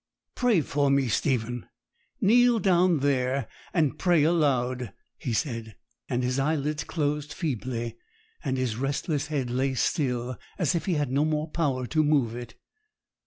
'Pray for me, Stephen. Kneel down there, and pray aloud,' he said; and his eyelids closed feebly, and his restless head lay still, as if he had no more power to move it.